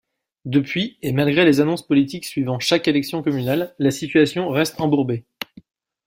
Depuis, et malgré les annonces politiques suivant chaque élection communale, la situation reste embourbée.